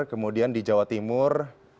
kemudian di jawa timur